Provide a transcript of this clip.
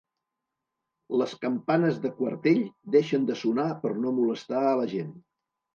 Les campanes de Quartell, deixen de sonar per no molestar a la gent.